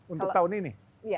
untuk tahun ini